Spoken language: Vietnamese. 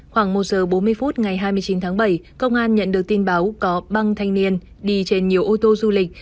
khoảng một giờ bốn mươi phút ngày hai mươi chín tháng bảy công an nhận được tin báo có băng thanh niên đi trên nhiều ô tô du lịch